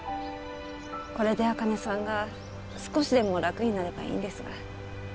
これで茜さんが少しでも楽になればいいんですが。